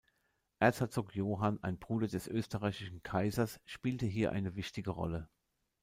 Erzherzog Johann, ein Bruder des österreichischen Kaisers, spielte hier eine wichtige Rolle.